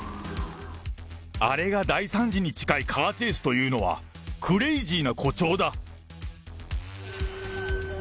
あれが大惨事に近いカーチェイスというのは、クレイジーな誇張だ。